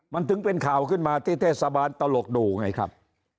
มันถึงเป็นข่าวขึ้นมาที่เทศบาลตลกดูไงครับ